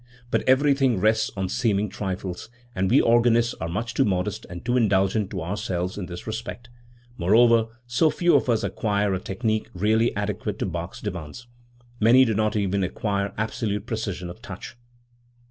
But everything rests on seeming trifles, and we organists are much too modest and too indulgent to ourselves in this respect; moreover so few of us acquire a technique really adequate to Bach's demands. Many do not even acquire absolute precision of touch.